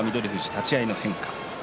立ち合いの変化